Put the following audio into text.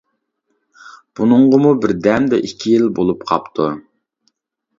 بۇنىڭغىمۇ بىردەمدە ئىككى يىل بولۇپ قاپتۇ.